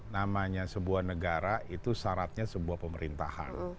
namanya sebuah negara itu syaratnya sebuah pemerintahan